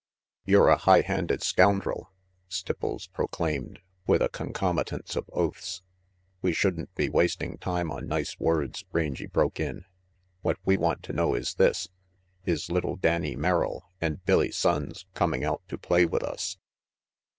"You're a high handed scoundrel!" Stipples pro claimed, with a concomitance of oaths. "We shouldn't be wasting time on nice words," Rangy broke in. "What we want to know is this is little Danny Merrill and Billy Sonnes coming out to play with us?"